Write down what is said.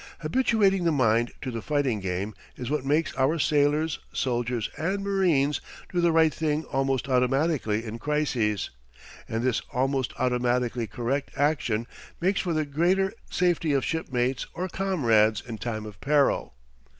Habituating the mind to the fighting game is what makes our sailors, soldiers, and marines do the right thing almost automatically in crises; and this almost automatically correct action makes for the greater safety of shipmates or comrades in time of peril.